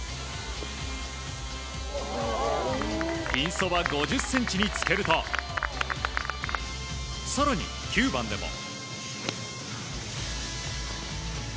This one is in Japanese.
ピンそば５０ｃｍにつけると更に９番でも。